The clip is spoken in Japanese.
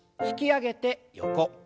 引き上げて横。